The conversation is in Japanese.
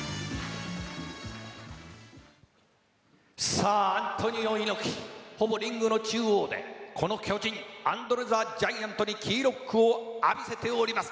さあ、アントニオ猪木ほぼリングの中央でこの巨人アンドレ・ザ・ジャイアントにキーロックを浴びせております。